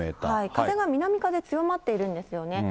風が南風強まっているんですよね。